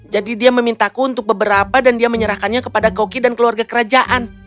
jadi dia memintaku untuk beberapa dan dia menyerahkannya kepada koki dan keluarga kerajaan